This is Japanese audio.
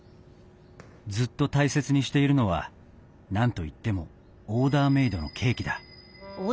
ずっと大切にしているのは何といってもオーダーメードのケーキだ。